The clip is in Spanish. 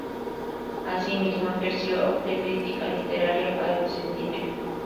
Asimismo, ejerció de crítica literaria para el "Sentinel".